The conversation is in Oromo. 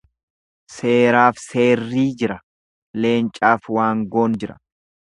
Seeraaf seerrii jira, Leencaaf Waangoon jira.